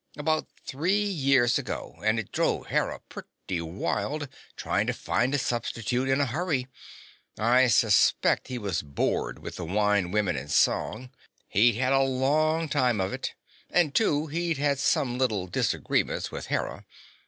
About three years ago, and it drove Hera pretty wild, trying to find a substitute in a hurry. I suspect he was bored with the wine, women and song. He'd had a long time of it. And, too, he'd had some little disagreements with Hera.